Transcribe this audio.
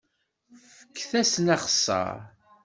Fket-asen axeṣṣar.